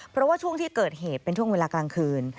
เพราะว่าช่วงที่เกิดเหตุเป็นช่วงเวลากลางคืน